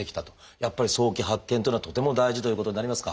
やっぱり早期発見というのはとても大事ということになりますか？